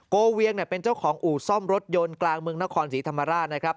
เวียงเป็นเจ้าของอู่ซ่อมรถยนต์กลางเมืองนครศรีธรรมราชนะครับ